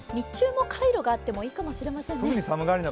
日中もカイロがあってもいいかもしれませんね。